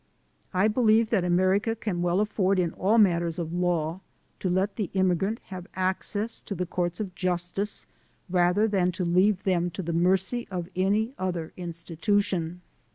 I believe that America can well afford in all matters of law to let the immigrant have access to the courts of justice, rather than to leave them to the mercy of any other institution.